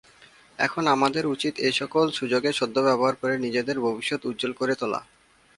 এখন আমাদের উচিত এ সকল সুযোগের সদ্ব্যবহার করে নিজেদের ভবিষ্যৎ উজ্জ্বল করে তোলা।